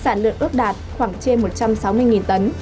sản lượng ước đạt khoảng trên một trăm sáu mươi tấn